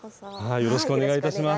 よろしくお願いします。